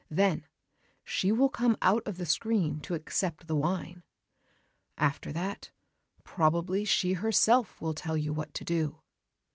Then she will come out of the screen to accept the wine. After that, probably she herself will tell you what to do."